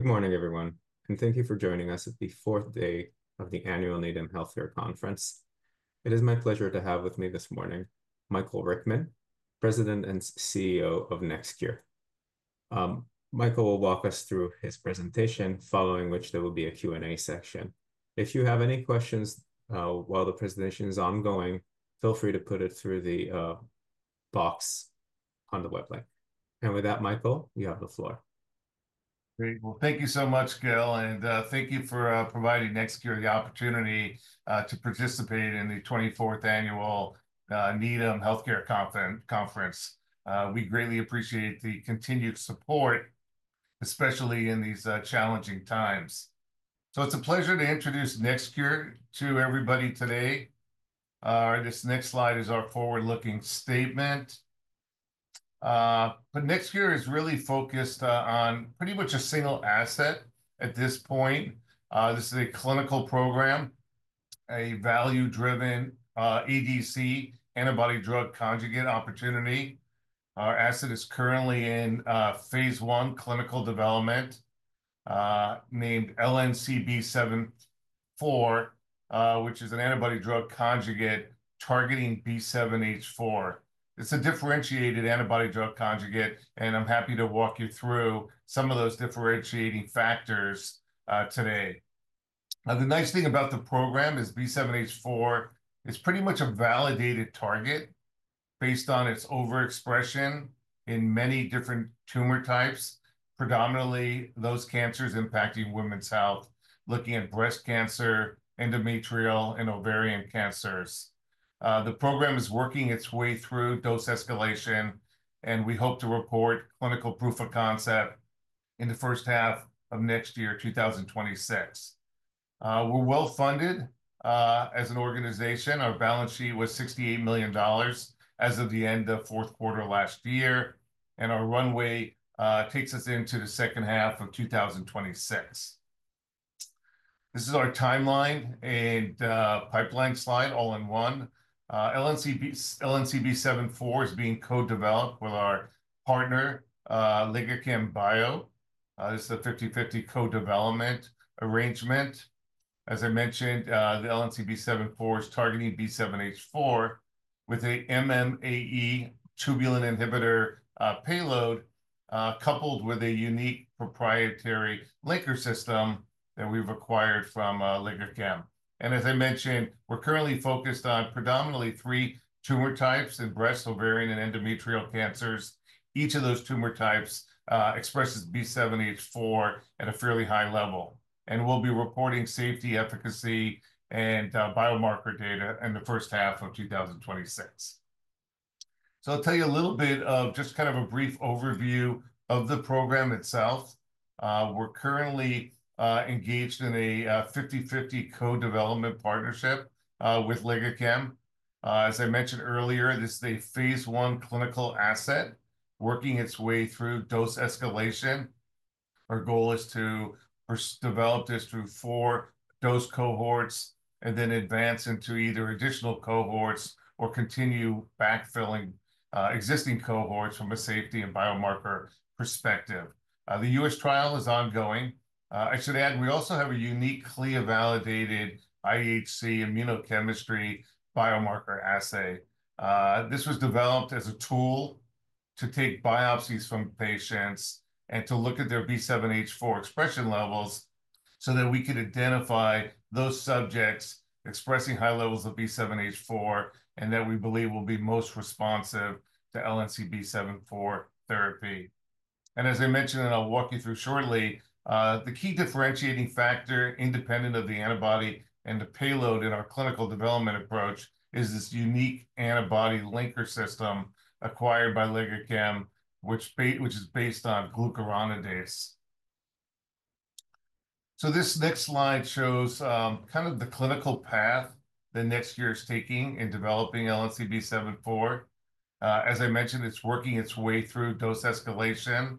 Good morning, everyone, and thank you for joining us at the fourth day of the annual Needham Healthcare Conference. It is my pleasure to have with me this morning Michael Richman, President and CEO of NextCure. Michael will walk us through his presentation, following which there will be a Q&A section. If you have any questions while the presentation is ongoing, feel free to put it through the box on the web link. With that, Michael, you have the floor. Great. Thank you so much, Gil, and thank you for providing NextCure the opportunity to participate in the 24th Annual Needham Healthcare Conference. We greatly appreciate the continued support, especially in these challenging times. It is a pleasure to introduce NextCure to everybody today. This next slide is our forward-looking statement. NextCure is really focused on pretty much a single asset at this point. This is a clinical program, a value-driven ADC, antibody-drug conjugate opportunity. Our asset is currently in phase one clinical development named LNCB74, which is an antibody-drug conjugate targeting B7H4. It is a differentiated antibody-drug conjugate, and I am happy to walk you through some of those differentiating factors today. The nice thing about the program is B7H4 is pretty much a validated target based on its overexpression in many different tumor types, predominantly those cancers impacting women's health, looking at breast cancer, endometrial, and ovarian cancers. The program is working its way through dose escalation, and we hope to report clinical proof of concept in the first half of next year, 2026. We're well funded as an organization. Our balance sheet was $68 million as of the end of fourth quarter last year, and our runway takes us into the second half of 2026. This is our timeline and pipeline slide all in one. LNCB74 is being co-developed with our partner, LigaChemBio. This is a 50/50 co-development arrangement. As I mentioned, the LNCB74 is targeting B7H4 with an MMAE tubulin inhibitor payload coupled with a unique proprietary linker system that we've acquired from LigaChemBio. As I mentioned, we're currently focused on predominantly three tumor types in breast, ovarian, and endometrial cancers. Each of those tumor types expresses B7H4 at a fairly high level, and we'll be reporting safety, efficacy, and biomarker data in the first half of 2026. I'll tell you a little bit of just kind of a brief overview of the program itself. We're currently engaged in a 50/50 co-development partnership with Ligacam Bio. As I mentioned earlier, this is a phase I clinical asset working its way through dose escalation. Our goal is to develop this through four dose cohorts and then advance into either additional cohorts or continue backfilling existing cohorts from a safety and biomarker perspective. The US trial is ongoing. I should add, we also have a unique CLIA-validated IHC immunohistochemistry biomarker assay. This was developed as a tool to take biopsies from patients and to look at their B7H4 expression levels so that we could identify those subjects expressing high levels of B7H4 and that we believe will be most responsive to LNCB74 therapy. As I mentioned, and I'll walk you through shortly, the key differentiating factor independent of the antibody and the payload in our clinical development approach is this unique antibody linker system acquired by Ligacam Bio, which is based on glucuronidase. This next slide shows kind of the clinical path that NextCure is taking in developing LNCB74. As I mentioned, it's working its way through dose escalation.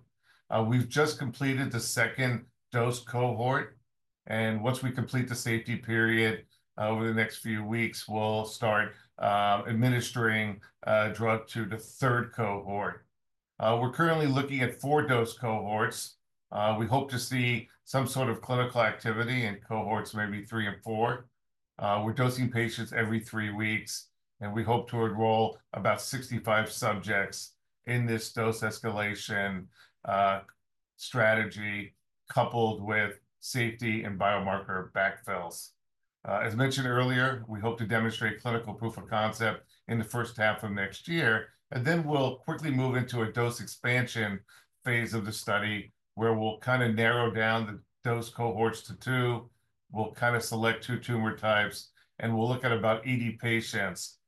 We've just completed the second dose cohort, and once we complete the safety period over the next few weeks, we'll start administering drug to the third cohort. We're currently looking at four dose cohorts. We hope to see some sort of clinical activity in cohorts maybe three and four. We're dosing patients every three weeks, and we hope to enroll about 65 subjects in this dose escalation strategy coupled with safety and biomarker backfills. As mentioned earlier, we hope to demonstrate clinical proof of concept in the first half of next year, and then we'll quickly move into a dose expansion phase of the study where we'll kind of narrow down the dose cohorts to two. We'll kind of select two tumor types, and we'll look at about 80 patients,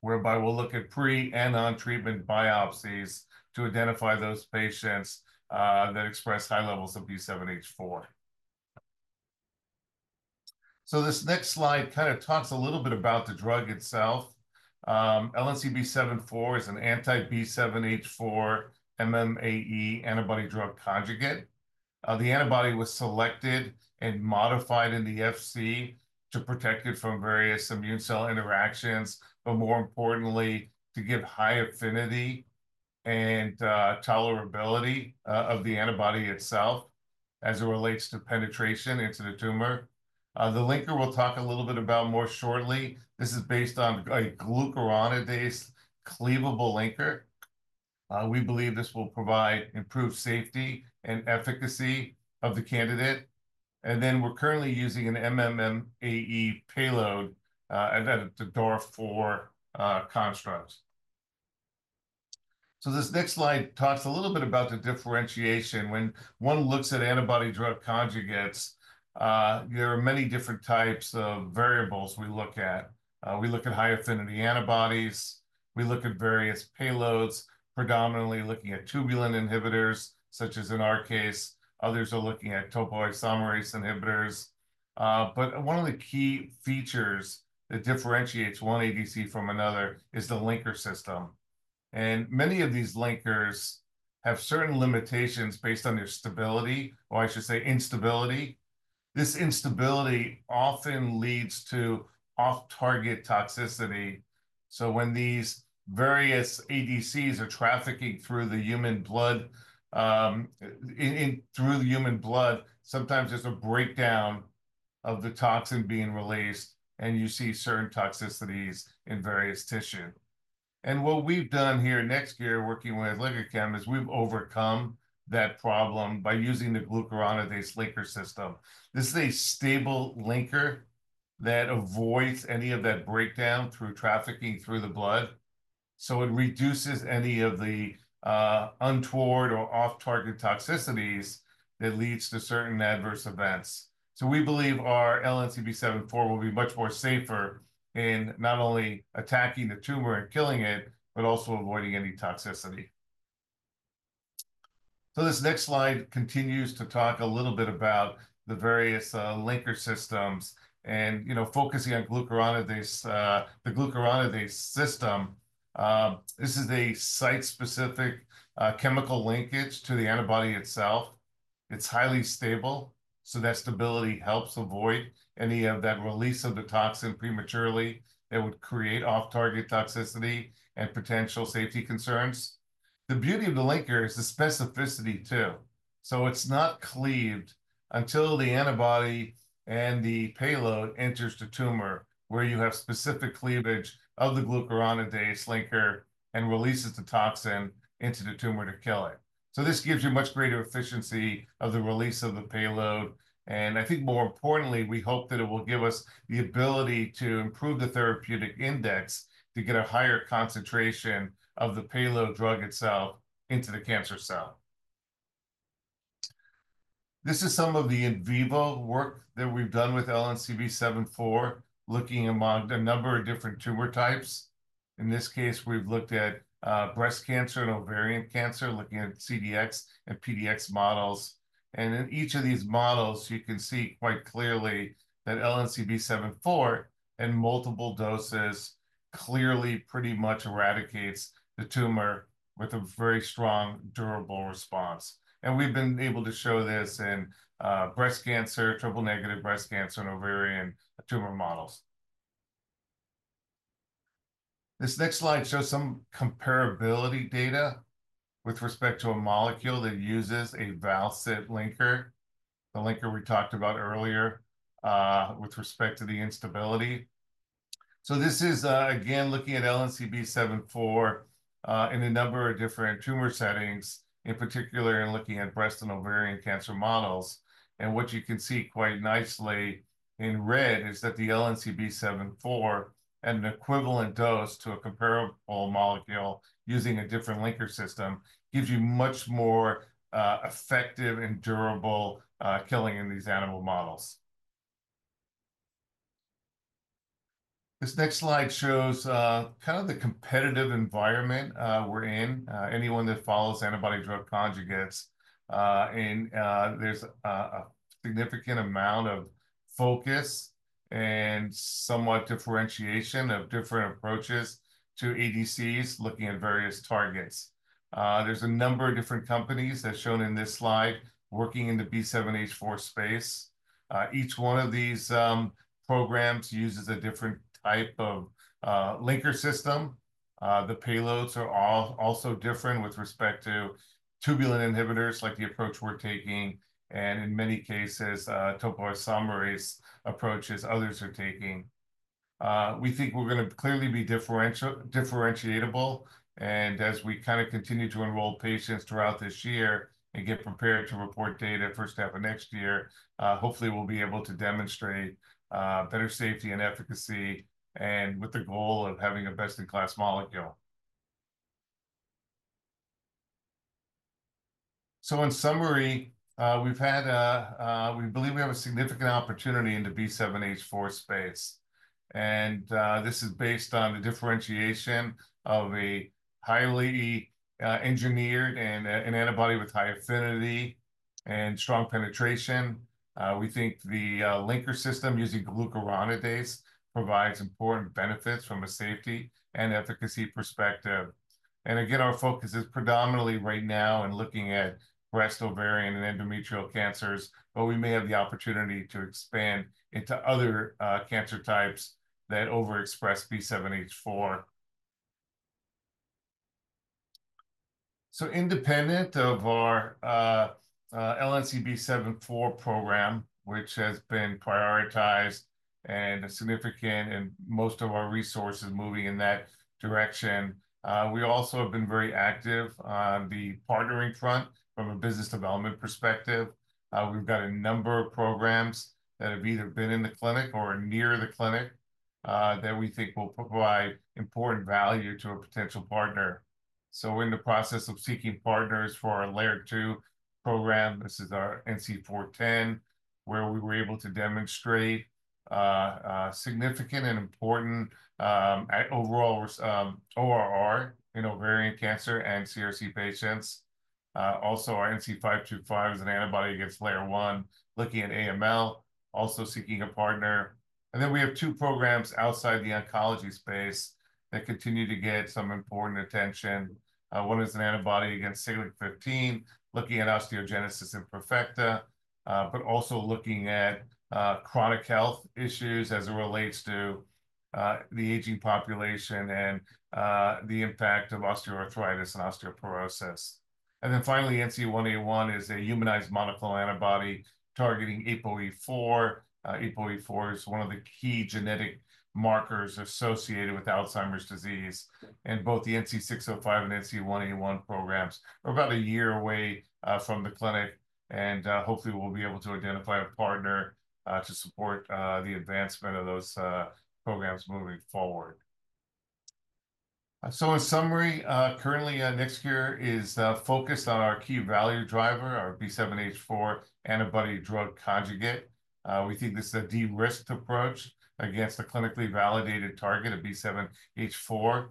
whereby we'll look at pre- and on-treatment biopsies to identify those patients that express high levels of B7H4. This next slide kind of talks a little bit about the drug itself. LNCB74 is an anti-B7H4 MMAE antibody-drug conjugate. The antibody was selected and modified in the FC to protect it from various immune cell interactions, but more importantly, to give high affinity and tolerability of the antibody itself as it relates to penetration into the tumor. The linker we will talk a little bit about more shortly. This is based on a glucuronidase cleavable linker. We believe this will provide improved safety and efficacy of the candidate. We are currently using an MMAE payload at the door for constructs. This next slide talks a little bit about the differentiation. When one looks at antibody-drug conjugates, there are many different types of variables we look at. We look at high affinity antibodies. We look at various payloads, predominantly looking at tubulin inhibitors, such as in our case. Others are looking at topoisomerase inhibitors. One of the key features that differentiates one ADC from another is the linker system. Many of these linkers have certain limitations based on their stability, or I should say instability. This instability often leads to off-target toxicity. When these various ADCs are trafficking through the human blood, sometimes there's a breakdown of the toxin being released, and you see certain toxicities in various tissue. What we've done here at NextCure, working with Ligacam, is we've overcome that problem by using the glucuronidase linker system. This is a stable linker that avoids any of that breakdown through trafficking through the blood. It reduces any of the untoward or off-target toxicities that leads to certain adverse events. We believe our LNCB74 will be much more safer in not only attacking the tumor and killing it, but also avoiding any toxicity. This next slide continues to talk a little bit about the various linker systems and focusing on glucuronidase. The glucuronidase system, this is a site-specific chemical linkage to the antibody itself. It's highly stable, so that stability helps avoid any of that release of the toxin prematurely that would create off-target toxicity and potential safety concerns. The beauty of the linker is the specificity too. It's not cleaved until the antibody and the payload enters the tumor where you have specific cleavage of the glucuronidase linker and releases the toxin into the tumor to kill it. This gives you much greater efficiency of the release of the payload. I think more importantly, we hope that it will give us the ability to improve the therapeutic index to get a higher concentration of the payload drug itself into the cancer cell. This is some of the in vivo work that we've done with LNCB74, looking among a number of different tumor types. In this case, we've looked at breast cancer and ovarian cancer, looking at CDX and PDX models. In each of these models, you can see quite clearly that LNCB74, in multiple doses, clearly pretty much eradicates the tumor with a very strong, durable response. We've been able to show this in breast cancer, triple-negative breast cancer, and ovarian tumor models. This next slide shows some comparability data with respect to a molecule that uses a val-cit linker, the linker we talked about earlier with respect to the instability. This is, again, looking at LNCB74 in a number of different tumor settings, in particular in looking at breast and ovarian cancer models. What you can see quite nicely in red is that the LNCB74 at an equivalent dose to a comparable molecule using a different linker system gives you much more effective and durable killing in these animal models. This next slide shows kind of the competitive environment we're in. Anyone that follows antibody-drug conjugates, there's a significant amount of focus and somewhat differentiation of different approaches to ADCs looking at various targets. There's a number of different companies as shown in this slide working in the B7H4 space. Each one of these programs uses a different type of linker system. The payloads are also different with respect to tubulin inhibitors like the approach we're taking, and in many cases, topoisomerase approaches others are taking. We think we're going to clearly be differentiatable. As we kind of continue to enroll patients throughout this year and get prepared to report data first half of next year, hopefully we'll be able to demonstrate better safety and efficacy with the goal of having a best-in-class molecule. In summary, we believe we have a significant opportunity in the B7H4 space. This is based on the differentiation of a highly engineered antibody with high affinity and strong penetration. We think the linker system using glucuronidase provides important benefits from a safety and efficacy perspective. Again, our focus is predominantly right now in looking at breast, ovarian, and endometrial cancers, but we may have the opportunity to expand into other cancer types that overexpress B7H4. Independent of our LNCB74 program, which has been prioritized and significant and most of our resources moving in that direction, we also have been very active on the partnering front from a business development perspective. We've got a number of programs that have either been in the clinic or near the clinic that we think will provide important value to a potential partner. In the process of seeking partners for our Layer 2 program, this is our NC410, where we were able to demonstrate significant and important overall ORR in ovarian cancer and CRC patients. Also, our NC525 is an antibody against Layer 1, looking at AML, also seeking a partner. We have two programs outside the oncology space that continue to get some important attention. One is an antibody against SIGLEC15, looking at osteogenesis imperfecta, but also looking at chronic health issues as it relates to the aging population and the impact of osteoarthritis and osteoporosis. Finally, NC1A1 is a humanized monoclonal antibody targeting APOE4. APOE4 is one of the key genetic markers associated with Alzheimer's disease. Both the NC605 and NC1A1 programs are about a year away from the clinic. Hopefully, we'll be able to identify a partner to support the advancement of those programs moving forward. In summary, currently, NextCure is focused on our key value driver, our B7H4 antibody-drug conjugate. We think this is a de-risked approach against a clinically validated target of B7H4.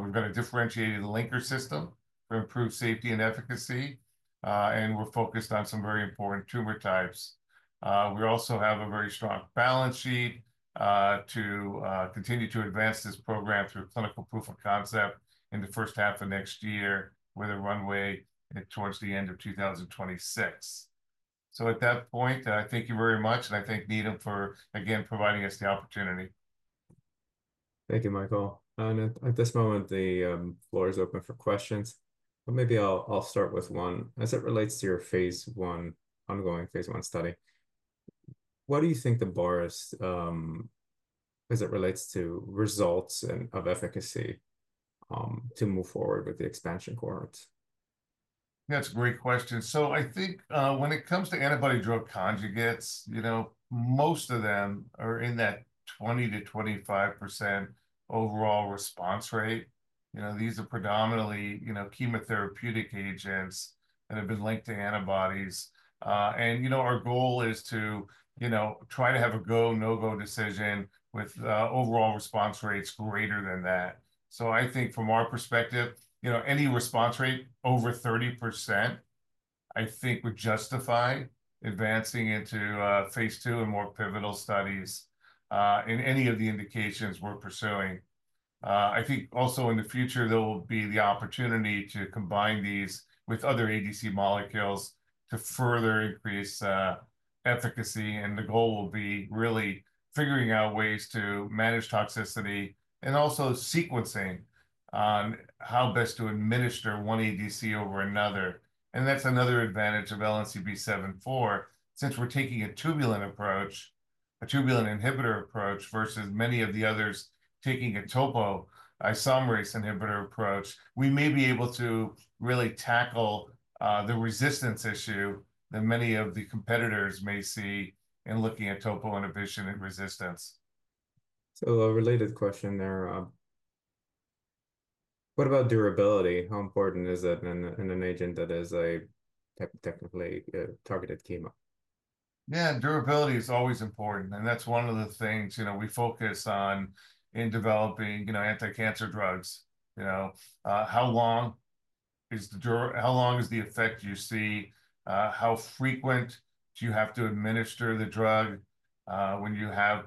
We've got a differentiated linker system for improved safety and efficacy. We're focused on some very important tumor types. We also have a very strong balance sheet to continue to advance this program through clinical proof of concept in the first half of next year with a runway towards the end of 2026. At that point, thank you very much. I thank Needham for, again, providing us the opportunity. Thank you, Michael. At this moment, the floor is open for questions. Maybe I'll start with one. As it relates to your phase one, ongoing phase one study, what do you think the bar is as it relates to results and of efficacy to move forward with the expansion cohorts? That's a great question. I think when it comes to antibody-drug conjugates, most of them are in that 20-25% overall response rate. These are predominantly chemotherapeutic agents that have been linked to antibodies. Our goal is to try to have a go, no-go decision with overall response rates greater than that. I think from our perspective, any response rate over 30% would justify advancing into phase two and more pivotal studies in any of the indications we're pursuing. I think also in the future, there will be the opportunity to combine these with other ADC molecules to further increase efficacy. The goal will be really figuring out ways to manage toxicity and also sequencing on how best to administer one ADC over another. That's another advantage of LNCB74. Since we're taking a tubulin inhibitor approach versus many of the others taking a topoisomerase inhibitor approach, we may be able to really tackle the resistance issue that many of the competitors may see in looking at topo inhibition and resistance. A related question there. What about durability? How important is it in an agent that is a technically targeted chemo? Yeah, durability is always important. That's one of the things we focus on in developing anti-cancer drugs. How long is the effect you see? How frequent do you have to administer the drug when you have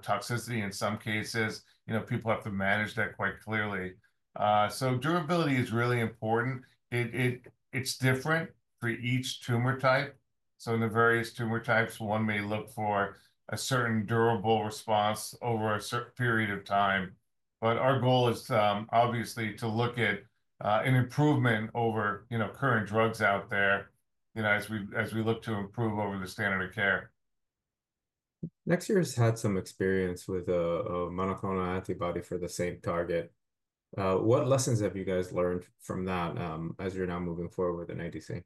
toxicity? In some cases, people have to manage that quite clearly. Durability is really important. It's different for each tumor type. In the various tumor types, one may look for a certain durable response over a certain period of time. Our goal is obviously to look at an improvement over current drugs out there as we look to improve over the standard of care. NextCure has had some experience with a monoclonal antibody for the same target. What lessons have you guys learned from that as you're now moving forward with an ADC?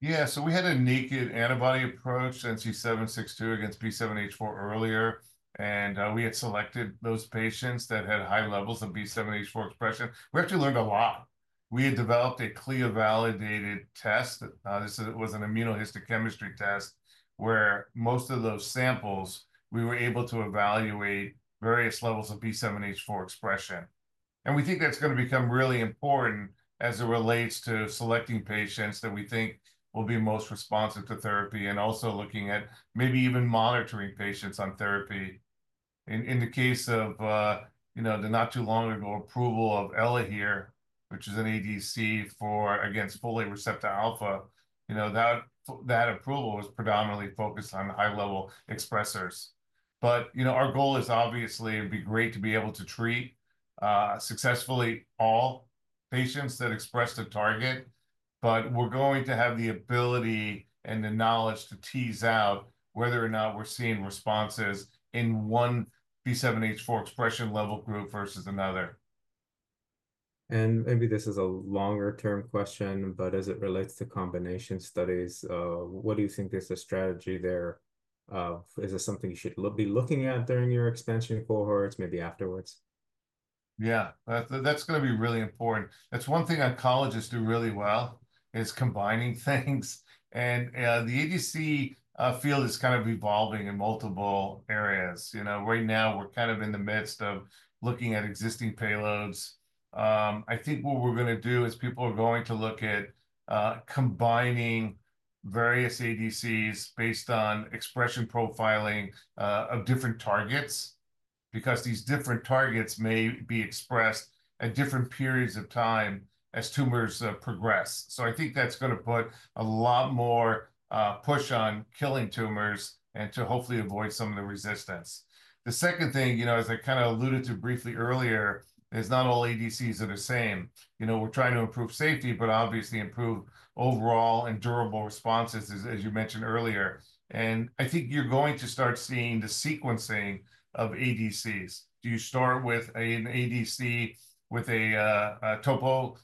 Yeah, so we had a naked antibody approach, NC762 against B7H4 earlier. And we had selected those patients that had high levels of B7H4 expression. We actually learned a lot. We had developed a CLIA-validated test. This was an immunohistochemistry test where most of those samples, we were able to evaluate various levels of B7H4 expression. We think that's going to become really important as it relates to selecting patients that we think will be most responsive to therapy and also looking at maybe even monitoring patients on therapy. In the case of the not too long ago approval of Elahere, which is an ADC for against folate receptor alpha, that approval was predominantly focused on high-level expressors. Our goal is obviously it would be great to be able to treat successfully all patients that express the target. We are going to have the ability and the knowledge to tease out whether or not we are seeing responses in one B7H4 expression level group versus another. Maybe this is a longer-term question, but as it relates to combination studies, what do you think is the strategy there? Is it something you should be looking at during your expansion cohorts, maybe afterwards? Yeah, that is going to be really important. That is one thing oncologists do really well is combining things. The ADC field is kind of evolving in multiple areas. Right now, we are kind of in the midst of looking at existing payloads. I think what we're going to do is people are going to look at combining various ADCs based on expression profiling of different targets because these different targets may be expressed at different periods of time as tumors progress. I think that's going to put a lot more push on killing tumors and to hopefully avoid some of the resistance. The second thing, as I kind of alluded to briefly earlier, is not all ADCs are the same. We're trying to improve safety, but obviously improve overall and durable responses, as you mentioned earlier. I think you're going to start seeing the sequencing of ADCs. Do you start with an ADC with a topo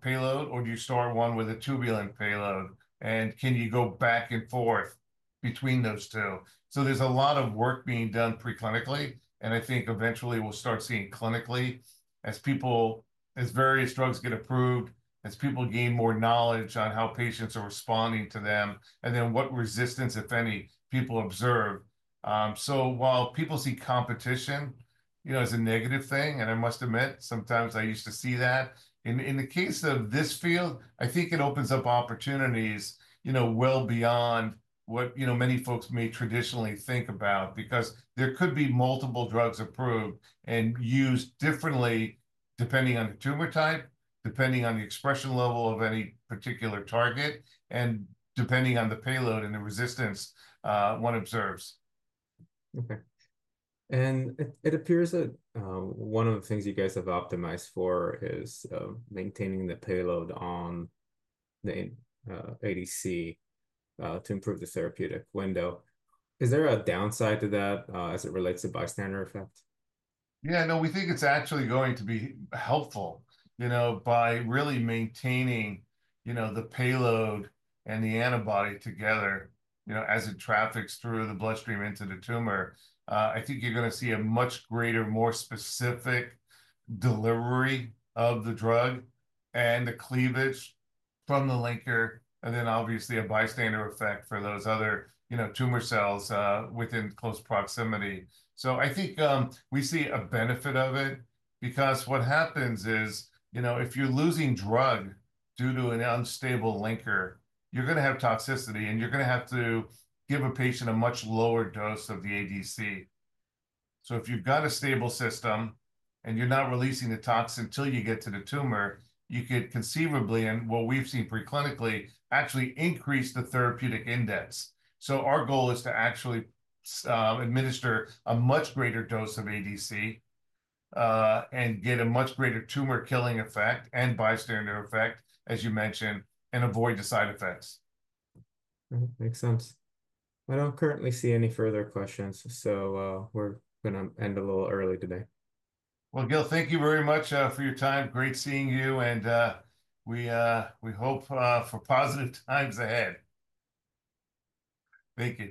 payload, or do you start one with a tubulin payload? Can you go back and forth between those two? There's a lot of work being done preclinically. I think eventually we'll start seeing clinically as various drugs get approved, as people gain more knowledge on how patients are responding to them, and then what resistance, if any, people observe. While people see competition as a negative thing, and I must admit, sometimes I used to see that, in the case of this field, I think it opens up opportunities well beyond what many folks may traditionally think about because there could be multiple drugs approved and used differently depending on the tumor type, depending on the expression level of any particular target, and depending on the payload and the resistance one observes. Okay. It appears that one of the things you guys have optimized for is maintaining the payload on the ADC to improve the therapeutic window. Is there a downside to that as it relates to bystander effect? Yeah, no, we think it's actually going to be helpful by really maintaining the payload and the antibody together as it traffics through the bloodstream into the tumor. I think you're going to see a much greater, more specific delivery of the drug and the cleavage from the linker, and then obviously a bystander effect for those other tumor cells within close proximity. I think we see a benefit of it because what happens is if you're losing drug due to an unstable linker, you're going to have toxicity, and you're going to have to give a patient a much lower dose of the ADC. If you've got a stable system and you're not releasing the toxin until you get to the tumor, you could conceivably, and what we've seen preclinically, actually increase the therapeutic index. Our goal is to actually administer a much greater dose of ADC and get a much greater tumor-killing effect and bystander effect, as you mentioned, and avoid the side effects. Makes sense. I do not currently see any further questions. We are going to end a little early today. Gil, thank you very much for your time. Great seeing you. We hope for positive times ahead. Thank you.